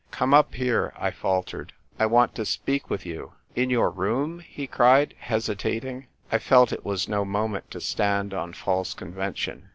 ''Come up here," I faltered; "I want to speak with you." " In your room ?" he cried, hesitating. I felt it was no moment to stand on false convention.